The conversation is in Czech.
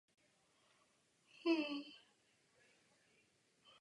Byla zaznamenána otrava domácího králíka po konzumaci rostliny.